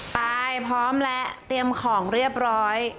ไปพร้อมแล้วเตรียมของเรียบร้อย